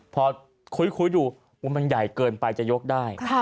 พอคุยดูมันใหญ่เกินไปจะยกได้